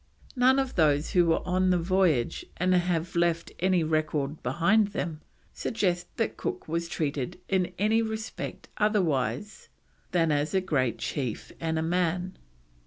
None of those who were on the voyage and have left any record behind them, suggest that Cook was treated in any respect otherwise than as a great chief and a man.